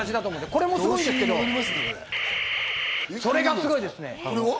これもすごいんですけど、それがすごいですね。